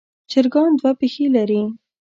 چرګان دوه پښې لري.